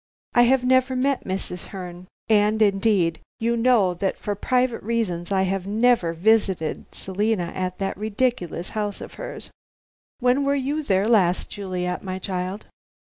"I have never met Mrs. Herne. And, indeed, you know, that for private reasons I have never visited Selina at that ridiculous house of hers. When were you there last, Juliet, my child?"